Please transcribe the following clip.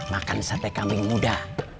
makan sate kambing muda